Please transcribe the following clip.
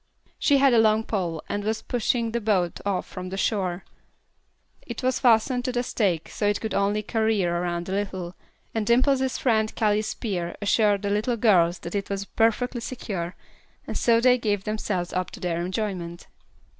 She had a long pole and was pushing the boat off from the shore. It was fastened to a stake, so it could only career around a little, and Dimple's friend Callie Spear assured the little girls that it was perfectly secure, and so they gave themselves up to their enjoyment.